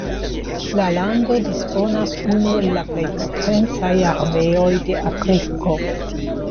La lando disponas unu el la plej potencaj armeoj de Afriko.